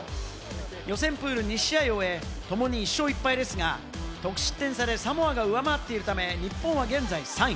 予選プール２試合を終え、ともに１勝１敗ですが、得失点差でサモアが上回っているため、日本は現在３位。